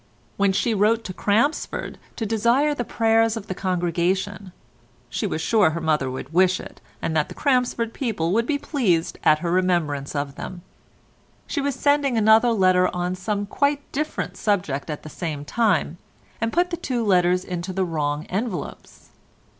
When she wrote to Crampsford to desire the prayers of the congregation (she was sure her mother would wish it, and that the Crampsford people would be pleased at her remembrance of them), she was sending another letter on some quite different subject at the same time, and put the two letters into the wrong envelopes.